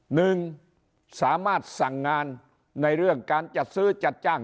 หนึ่งสามารถสั่งงานในเรื่องการจัดซื้อจัดจ้าง